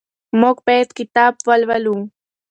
موږ باید کتاب ولولو.